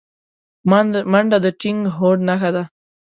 منډه د ټینګ هوډ نښه ده